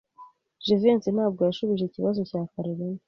Jivency ntabwo yashubije ikibazo cya Kalorina.